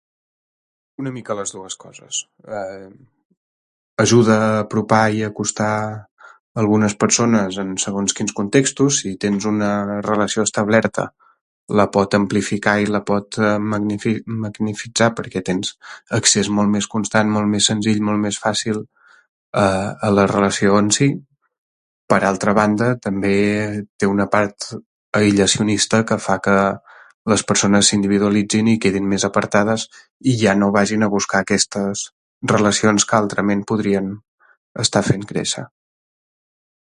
Una mica les dues coses, ajuda a apropar i acostar algunes persones en segons quins contextos i tens una relació establerta la pot amplificar i la pot magnificar perquè tens accés molt més constant, molt més senzill, molt més fàcil a les relacions, sí. Per altra banda, també té una part aïllacionista, fa que les persones s'individualitzin i que quedin més apartades i ja no vagin a buscar aquestes relacions que altrament podrien estar fent créixer.